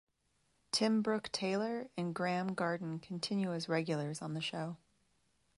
Tim Brooke-Taylor and Graeme Garden continue as regulars on the show.